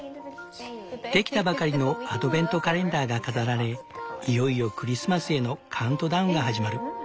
できたばかりのアドベントカレンダーが飾られいよいよクリスマスへのカウントダウンが始まる。